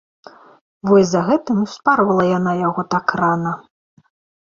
Вось за гэтым і ўспарола яна яго так рана.